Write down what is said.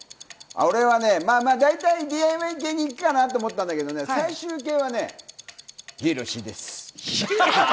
大体ＤＩＹ系に行くかなと思ったんだけど、最終形はね、ヒロシです。